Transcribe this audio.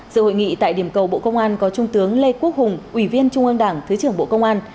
sự hội nghị tại điểm cầu bộ công an có trung tướng lê quốc hùng ủy viên trung ương đảng thứ trưởng bộ công an